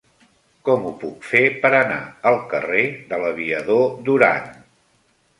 Com ho puc fer per anar al carrer de l'Aviador Durán?